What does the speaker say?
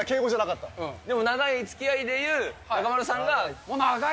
でも長いつきあいでいう、中丸さんが。